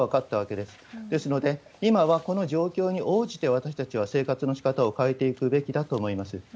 ですので、今はこの状況に応じて、私たちは生活のしかたを変えていくべきだと思います。